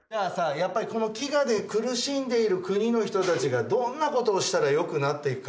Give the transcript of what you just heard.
やっぱりこの飢餓で苦しんでいる国の人たちがどんなことをしたらよくなっていくか。